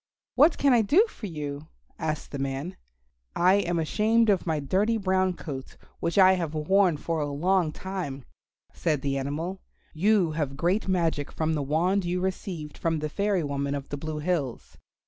"What can I do for you?" asked the man. "I am ashamed of my dirty brown coat, which I have worn for a long time," said the animal; "you have great magic from the wand you received from the fairy woman of the Blue Hills.